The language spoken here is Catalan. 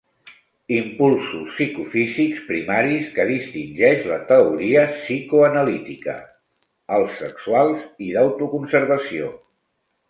Impulsos psicofísics primaris que distingeix la teoria psicoanalítica: els sexuals i d'autoconservació.